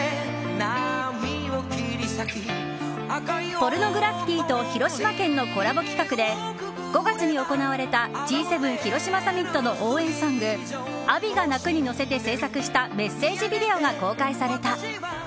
ポルノグラフィティと広島県のコラボ企画で５月に行われたＧ７広島サミットの応援ソング「アビが鳴く」に乗せて制作したメッセージビデオが公開された。